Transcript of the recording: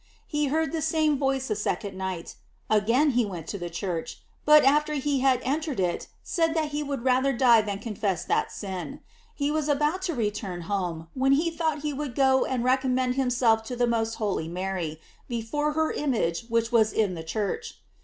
He heard the same voice a second night; again he went to the church, but after he had entered it, said that he would rather die than confess that sin. Pie was about to return home, when he thought he would go and recommend himself to the most holy Mary, before her image which was in the church.